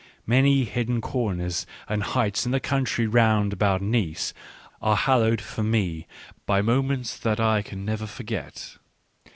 Many hidden corners and heights in the country round about Nice are hallowed for me by moments that I can never forget.